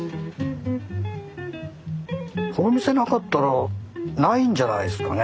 この店なかったらないんじゃないんですかね？